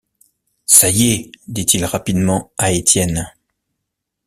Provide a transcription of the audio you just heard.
Ça y est! dit-il rapidement à Étienne.